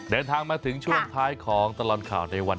เดินทางมาถึงช่วงท้ายของตลอดข่าวในวันนี้แล้วนะครับ